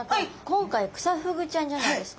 今回クサフグちゃんじゃないですか。